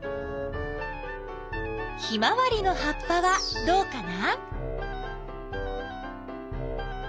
ヒマワリの葉っぱはどうかな？